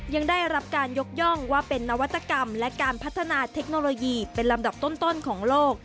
ยังได้รับการยกย่องว่าเป็นนวัตกรรมและการพัฒนาเทคโนโลยีเป็นลำดับต้นของโลก